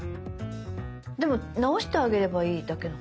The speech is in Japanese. でも直してあげればいいだけの話。